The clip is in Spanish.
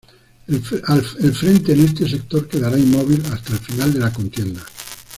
El frente en este sector quedará inmóvil hasta el final de la contienda.